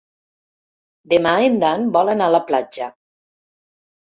Demà en Dan vol anar a la platja.